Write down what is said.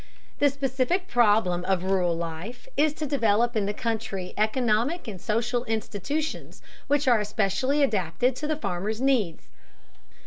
The specific problem of rural life is to develop in the country economic and social institutions which are especially adapted to the farmer's needs.